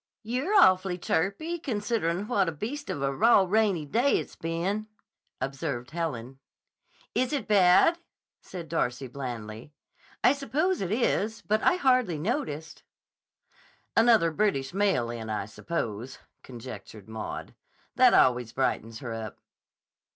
"You're awfully chirpy, considering what a beast of a raw, rainy day it's been," observed Helen. "Is it bad?" said Darcy blandly. "I suppose it is, but I hardly noticed." "Another British mail in, I suppose," conjectured Maud. "That always brightens her up."